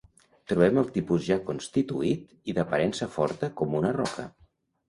Trobem al tipus ja constituït i d'aparença forta com una roca.